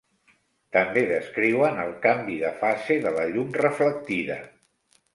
També descriuen el canvi de fase de la llum reflectida.